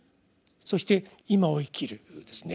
そして今を生きる。